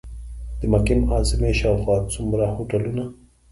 د مکې معظمې شاوخوا څومره هوټلونه.